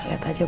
lihat aja bu